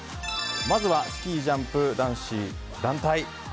まずはスキージャンプ男子団体。